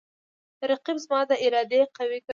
رقیب زما د ارادې قوی کوي